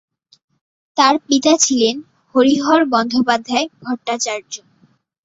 তার পিতা ছিলেন হরিহর বন্দ্যোপাধ্যায় ভট্টাচার্য্য।